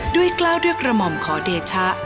กล้าวด้วยกระหม่อมขอเดชะ